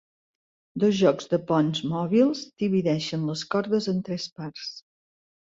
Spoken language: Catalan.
Dos jocs de ponts mòbils divideixen les cordes en tres parts.